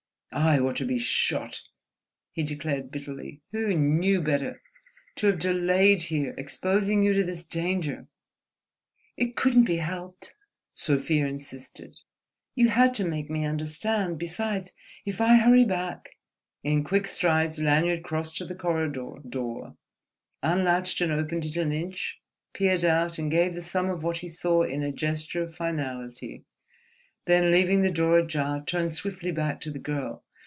"I ought to be shot," he declared, bitterly—"who knew better!—to have delayed here, exposing you to this danger—!" "It couldn't be helped," Sofia insisted; "you had to make me understand. Besides, if I hurry back—" In quick strides Lanyard crossed to the corridor door, unlatched and opened it an inch, peered out, and gave the sum of what he saw in a gesture of finality, then leaving the door ajar turned swiftly back to the girl.